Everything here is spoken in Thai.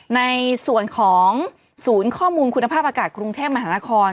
ในส่วนของศูนย์ข้อมูลคุณภาพอากาศกรุงเทพมหานคร